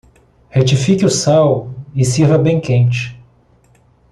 Retifique o sal e sirva bem quente.